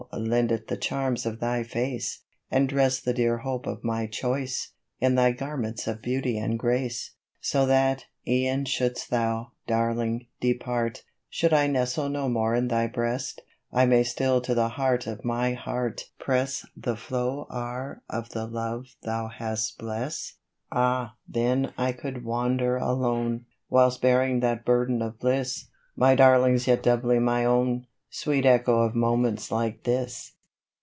lend it the charms of thy face, And dress the dear hope of my choice In thy garments of beauty and grace. So that, e'en should'st thou, Darling, depart, Should 1 nestle no more in thy breast, I may still to the /learf of my heart Press the flow'r of the love thou hast blest % 58 Another Thought, Ah ! then I could wander alone, Whilst bearing that burden of bliss, My Darling's yet doubly my own, Sweet echo of moments like this